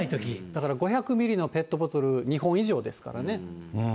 だから５００ミリのペットボトル２本以上ですからね。